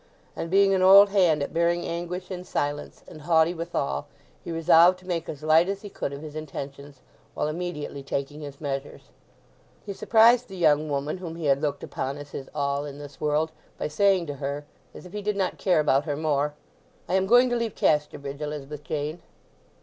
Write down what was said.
And being an old hand at bearing anguish in silence, and haughty withal, he resolved to make as light as he could of his intentions, while immediately taking his measures. He surprised the young woman whom he had looked upon as his all in this world by saying to her, as if he did not care about her more: "I am going to leave Casterbridge, Elizabeth Jane."